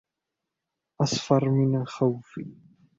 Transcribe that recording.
اصفر من الخوف